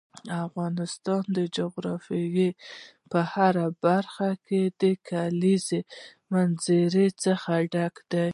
افغانستان د خپلې جغرافیې په هره برخه کې له کلیزو منظره څخه ډک دی.